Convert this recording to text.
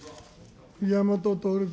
宮本徹君。